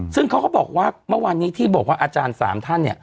ซึ่งเขาก็บอกว่าเมื่อวานนี้ที่บอกว่าอาจารย์๓ท่านเนี่ย